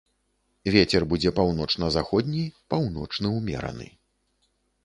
Вецер будзе паўночна-заходні, паўночны ўмераны.